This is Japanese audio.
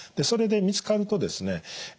それで見つかるとですね